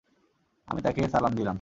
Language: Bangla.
আমি তাঁকে সালাম দিলাম।